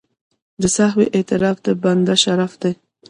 د سهوې اعتراف د بنده شرف دی.